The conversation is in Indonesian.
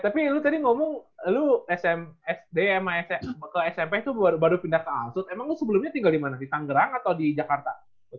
tapi lu tadi ngomong lu smp itu baru pindah ke alsut emang lu sebelumnya tinggal dimana sih sanggerang atau di jakarta